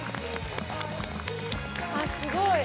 あっすごい！